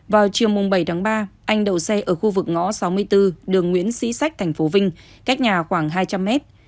vào chiều mùng bảy tháng ba anh đậu xe ở khu vực ngõ sáu mươi bốn đường nguyễn sĩ sách tp vinh cách nhà khoảng hai trăm linh mét